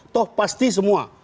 toh pasti semua